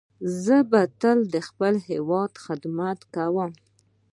زه به تل د خپل هیواد خدمت کوم.